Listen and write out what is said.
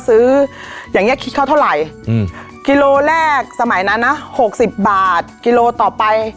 ซื้ออย่างนี้คิดเขาเท่าไหร่กิโลแรกสมัยนั้นนะ๖๐บาทกิโลต่อไป